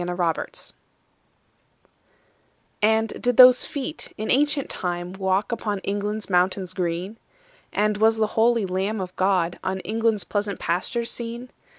Y Z Jerusalem AND did those feet in ancient time Walk upon England's mountains green? And was the holy Lamb of God On England's pleasant pastures seen?